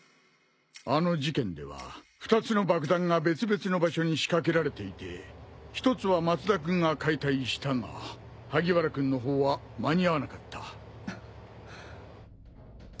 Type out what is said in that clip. あの事件では２つの爆弾が別々の場所に仕掛けられていて１つは松田君が解体したが萩原君のほうは間に合わなかった。